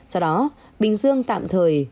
sau đó bình dương tạm thời